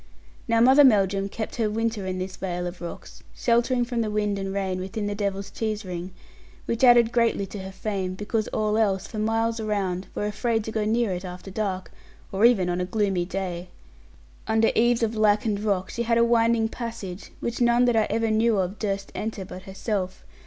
Now Mother Melldrum kept her winter in this vale of rocks, sheltering from the wind and rain within the Devil's Cheese ring, which added greatly to her fame because all else, for miles around, were afraid to go near it after dark, or even on a gloomy day. Under eaves of lichened rock she had a winding passage, which none that ever I knew of durst enter but herself.